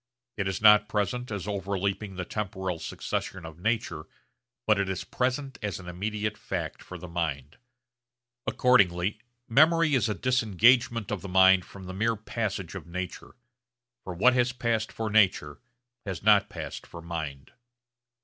It is not present as overleaping the temporal succession of nature, but it is present as an immediate fact for the mind. Accordingly memory is a disengagement of the mind from the mere passage of nature; for what has passed for nature has not passed for mind.